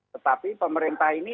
tetapi pemerintah ini